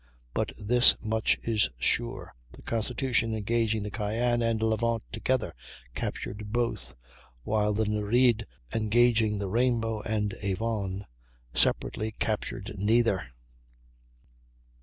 But this much is sure: the Constitution engaging the Cyane and Levant together, captured both; while the Nereide, engaging the Rainbow and Avon separately, captured neither.